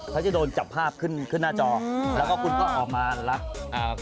เค้าจะโดนจับภาพขึ้นหน้าจอแล้วก็คุณก็ออกมาแล้ว